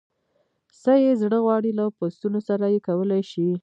څه یې زړه غواړي له پسونو سره یې کولای شي.